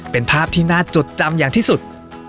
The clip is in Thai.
เป็นภาพที่น่าจดจำอย่างที่สุด